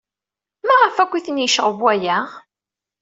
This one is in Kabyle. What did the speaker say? Maɣef akk ay ten-yecɣeb waya?